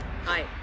はい。